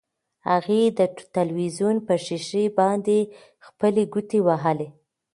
هغې د تلویزیون په شیشه باندې خپلې ګوتې وهلې.